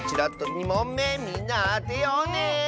２もんめみんなあてようね！